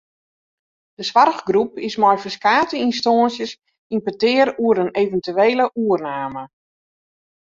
De soarchgroep is mei ferskate ynstânsjes yn petear oer in eventuele oername.